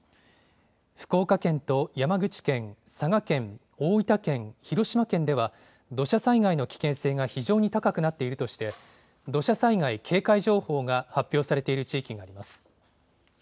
福岡県と山口県、佐賀県、大分県、広島県では、土砂災害の危険性が非常に高くなっているとして、土砂災害警戒情報が発表されている地域があります。